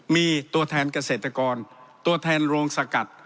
มีตัวแทนเกษตรกรตัวแทนโรงสกัด